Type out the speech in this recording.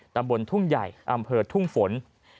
ตำบลทุ่งใหญ่อำเภอทุ่งฝน